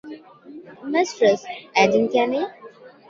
Mistress, Addie Kane.